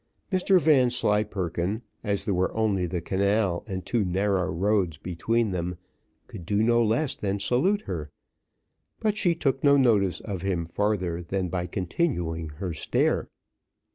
Mr Vanslyperken, as there was only the canal and two narrow roads between them, could do no less than salute her, but she took no notice of him farther than by continuing her stare.